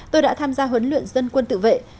tôi đã tham gia huấn luyện dân quân tự vệ